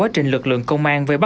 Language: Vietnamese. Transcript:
thấy cũng quan mang quá